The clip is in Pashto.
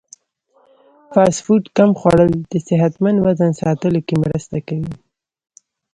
فاسټ فوډ کم خوړل د صحتمند وزن ساتلو کې مرسته کوي.